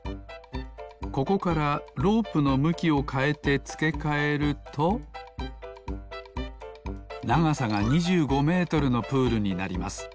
ここからロープのむきをかえてつけかえるとながさが２５メートルのプールになります